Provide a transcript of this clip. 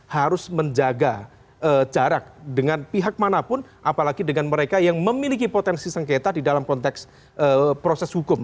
harus menjaga jarak dengan pihak manapun apalagi dengan mereka yang memiliki potensi sengketa di dalam konteks proses hukum